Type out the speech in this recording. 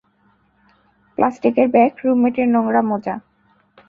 প্লাস্টিকের ব্যাগ, রুমমেটের নোংরা মোজা।